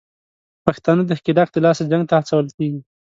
پښتانه د ښکېلاک دلاسه جنګ ته هڅول کېږي